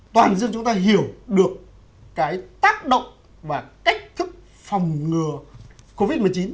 toàn dân chúng ta hiểu được cái tác động và cách thức phòng ngừa covid một mươi chín